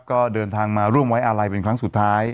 ก็เดินทางมาร่วมไว้อาลัยเป็นครั้งสุดท้าย